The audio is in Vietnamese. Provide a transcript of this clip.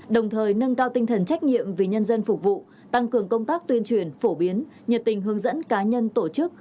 đồng thời nâng cao tinh thần trách nhiệm vì nhân dân phục vụ tăng cường công tác tuyên truyền phổ biến nhiệt tình hướng dẫn cá nhân tổ chức